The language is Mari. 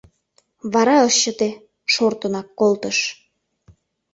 Вара ыш чыте: шортынак колтыш.